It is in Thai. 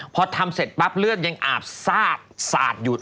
พอทำเสร็จปั๊บเลือดยังอาบซาดสาดหยุด